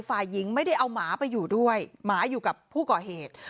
ฝ่ายหญิงไม่ได้เอาหมาไปอยู่ด้วยหมาอยู่กับผู้ก่อเหตุ